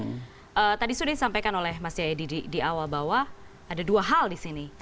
nah tadi sudah disampaikan oleh mas yaya di awal bahwa ada dua hal disini